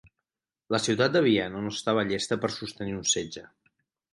La ciutat de Viena no estava llesta per sostenir un setge.